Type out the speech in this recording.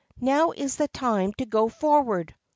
Now is the time to go forward!